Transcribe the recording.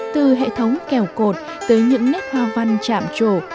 từ hệ thống kèo cột tới những nét hoa văn chạm trổ